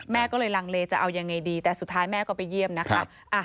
แม่ก็เลยลังเลจะเอายังไงดีแต่สุดท้ายแม่ก็ไปเยี่ยมนะคะ